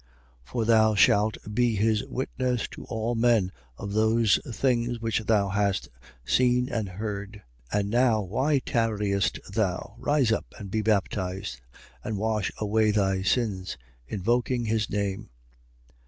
For thou shalt be his witness to all men of those things which thou hast seen and heard. 22:16. And now why tarriest thou? Rise up and be baptized and wash away thy sins, invoking his name.